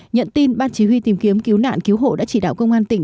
nhận tin ban chỉ huy tìm kiếm cứu nạn cứu hộ đã chỉ đạo công an tỉnh